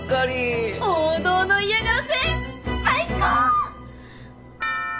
王道の嫌がらせ最高！